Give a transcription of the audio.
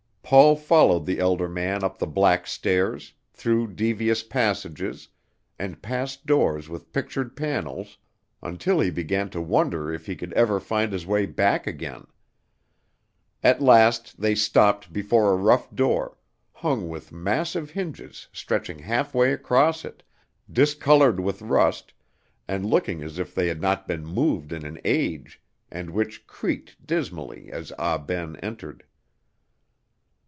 Paul followed the elder man up the black stairs, through devious passages, and past doors with pictured panels, until he began to wonder if he could ever find his way back again. At last they stopped before a rough door, hung with massive hinges stretching half way across it, discolored with rust, and looking as if they had not been moved in an age, and which creaked dismally as Ah Ben entered.